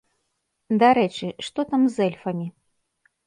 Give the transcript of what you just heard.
Дарэчы, што там з эльфамі?